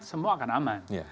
semua akan aman